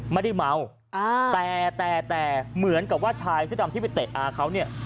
ไม่ได้เมาอ่าแต่แต่เหมือนกับว่าชายเสื้อดำที่ไปเตะอาเขาเนี่ย